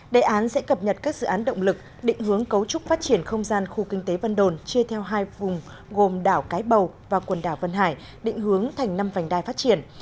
đề án sẽ cập nhật các dự án động lực định hướng cấu trúc phát triển không gian khu kinh tế vân đồn chia theo hai vùng gồm đảo cái bầu và quần đảo vân hải định hướng thành năm vành đai phát triển